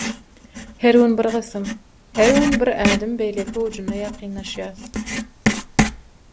her gün bir gysym, her gün bir ädim beýleki ujuna ýakynlaşýas.